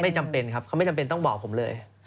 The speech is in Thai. จำเป็นครับเขาไม่จำเป็นต้องบอกผมเลย